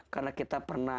karena kita pernah